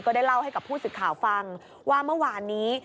ได้เล่าให้กับผู้สื่อข่าวฟังว่าเมื่อวานนี้